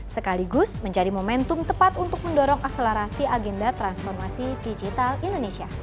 sekaligus menjadi momentum tepat untuk mendorong akselerasi agenda transformasi digital indonesia